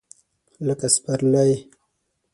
لکه سپرلی !